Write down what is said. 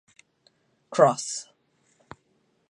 Cross.